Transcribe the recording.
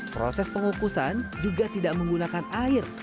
proses pengukusan juga tidak menggunakan air